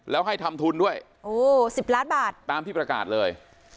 แล้วให้ทำทุนด้วยโอ้๑๐ล้านบาทตามที่ประกาศเลย